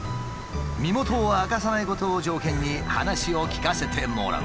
身元を明かさないことを条件に話を聞かせてもらう。